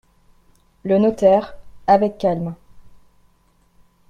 Le notaire , avec calme.